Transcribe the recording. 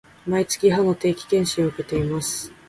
毎月、歯の定期検診を受けています